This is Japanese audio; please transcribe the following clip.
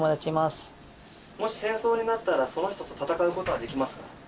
もし戦争になったらその人と戦うことはできますか？